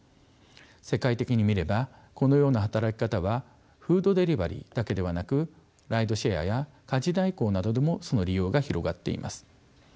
世界的に見ればこのような働き方はフードデリバリーだけではなくライドシェアや家事代行などでもその利用が広がっています。